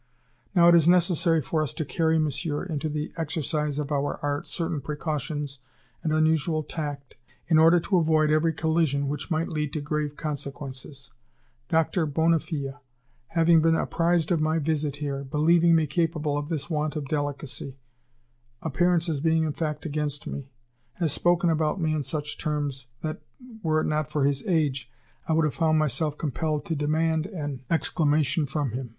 Now it is necessary for us to carry, Monsieur, into the exercise of our art certain precautions and unusual tact in order to avoid every collision which might lead to grave consequences. Doctor Bonnefille, having been apprised of my visit here, believing me capable of this want of delicacy, appearances being in fact against me, has spoken about me in such terms that, were it not for his age, I would have found myself compelled to demand an explanation from him.